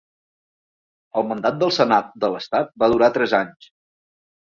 El mandat del Senat de l'Estat va durar tres anys.